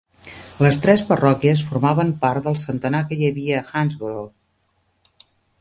Les tres parròquies formaven part del centenar que hi havia a Houndsborough.